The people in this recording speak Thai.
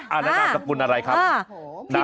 นางสกุลอะไรครับนางสกุลรุมรักนะครับ